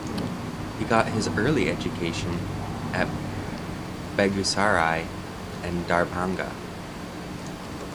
He got his early education at Begusarai and Darbhanga.